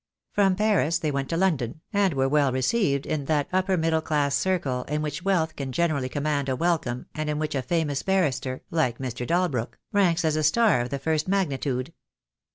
From Paris they went to London, and were well received in that upper middle class circle in which wealth can generally command a welcome, and in which a famous barrister, like Mr. Dalbrook, ranks as a star of the first magnitude.